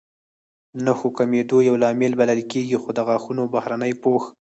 د نښو کمېدو یو لامل بلل کېږي، خو د غاښونو بهرنی پوښ